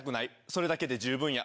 それだけで十分や」